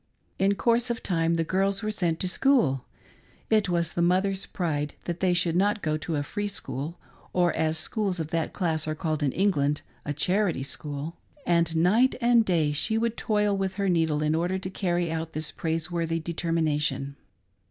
In course of time the girls were sent to school — it was the mother's pride that they should not go to a free school, or as schools of that class are called in England, a "charity school" — and, night and day, she would toil with her needle in order to carry out this praiseworthy determination.